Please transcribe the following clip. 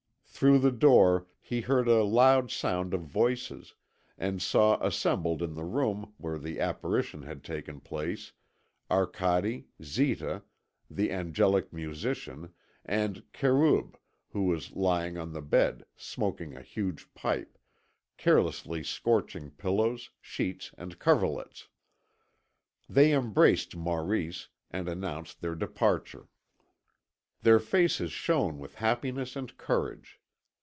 Through the door he heard a loud sound of voices, and saw assembled in the room where the apparition had taken place, Arcade, Zita, the angelic musician, and the Kerûb, who was lying on the bed, smoking a huge pipe, carelessly scorching pillows, sheets, and coverlets. They embraced Maurice, and announced their departure. Their faces shone with happiness and courage.